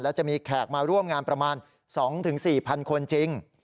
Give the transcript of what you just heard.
และจะมีแขกมาร่วมงานประมาณ๒๔๐๐คนจริง